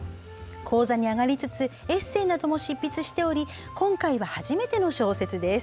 高座に上がりつつエッセーなども執筆しており今回が初めての小説です。